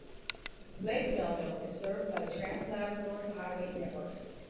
Lake Melville is served by the Trans-Labrador Highway network.